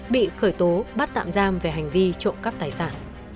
bị khởi tố bắt tạm giam về hành vi trộm cắp tài sản